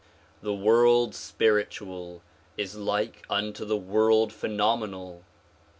The world spiritual is like unto the world phenomenal.